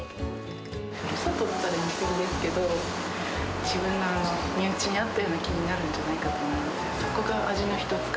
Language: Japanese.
ふるさとって言ったら言い過ぎですけど、自分の身内に会ったような気になるんじゃないかと思いますよ。